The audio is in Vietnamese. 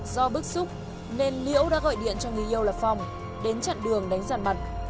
do bức xúc nên liễu đã gọi điện cho người yêu là phong đến chặn đường đánh giàn mặt